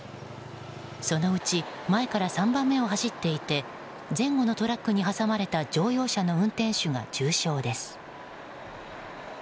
そのうち前から３番目を走っていて前後のトラックに挟まれた乗用車の運転手が重傷です。